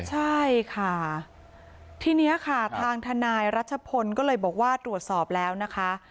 ใช่ค่ะทีนี้ค่ะทางทนายรัชพลก็เลยบอกว่าตรวจสอบแล้วนะคะ